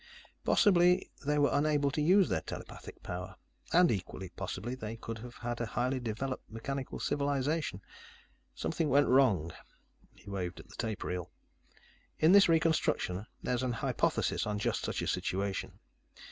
"Possibly they were unable to use their telepathic power. And equally possibly, they could have had a highly developed mechanical civilization. Something went wrong." He waved at the tape reel. "In this reconstruction, there's an hypothesis on just such a situation.